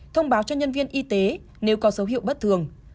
thông báo cho nhân viên y tế nếu có dấu hiệu bất thường